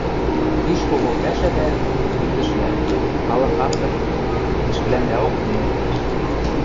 Пиш кого пӓшӓ дӓ... лӱдӹшлӓ... халык ак тырхы, ӹшкӹлӓндӓок нелӹ лиэш.